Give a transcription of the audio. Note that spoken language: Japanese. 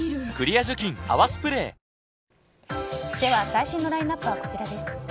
最新のラインアップはこちらです。